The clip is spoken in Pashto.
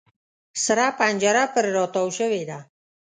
سره پنجره پر را تاو شوې ده.